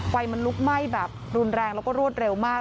ไฟมันลุกไหม้แบบรุนแรงแล้วก็รวดเร็วมาก